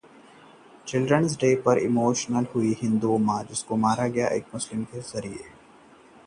childrens day पर emotional हुए Arjun Kapoor, share की पैरेंट्स की अनसीन तस्वीर